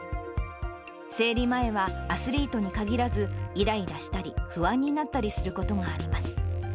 生理前はアスリートに限らずいらいらしたり、不安になったりすることがあります。